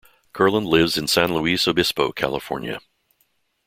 Kurland lives in San Luis Obispo, California.